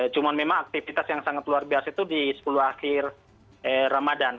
cuma memang aktivitas yang sangat luar biasa itu di sepuluh akhir ramadan